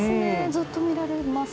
ずっと見られます。